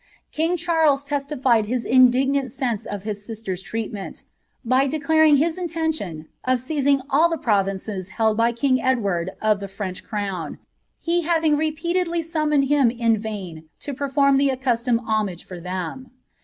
Ki[ig Charles testified his indignant stnoo of his Mister's tmioMnl. )if de< laring his intention of seizing all Lh(i prarinrr^ hold br kiaglliwiri of the French crown, he having rcpeatrdly sumnioned fiiai In nJB 10 perform the accustomed homage for tlinn.